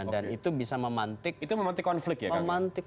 dan itu bisa memantik